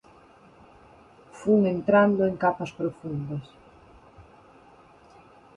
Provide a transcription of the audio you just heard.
Fun entrando en capas profundas.